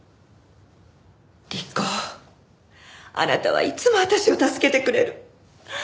莉子あなたはいつも私を助けてくれる。